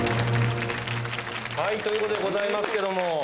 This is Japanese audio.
はいということでございますけども。